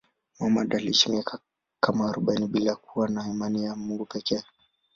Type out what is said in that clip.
Muhammad aliishi miaka kama arobaini bila kuwa na imani ya Mungu pekee.